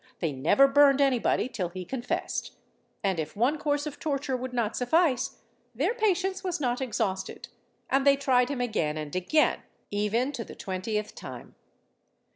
They never burned any body till he confessed; and if one course of torture would not suffice, their patience was not exhausted, and they tried him again and again, even to the twentieth time!